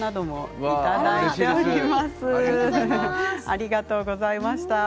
ありがとうございます。